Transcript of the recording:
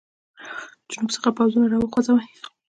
جنوب څخه پوځونه را وخوځوي.